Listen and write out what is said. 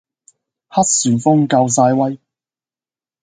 黑旋風夠晒威